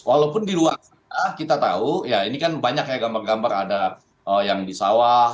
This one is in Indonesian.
walaupun di luar sana kita tahu ya ini kan banyak ya gambar gambar ada yang di sawah